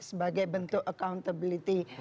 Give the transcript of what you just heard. sebagai bentuk accountability